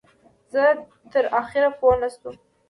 زه تر اخره پوی نشوم.